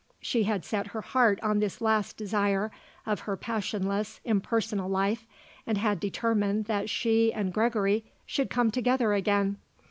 She had set her heart on this last desire of her passionless, impersonal life and had determined that she and Gregory should come together again.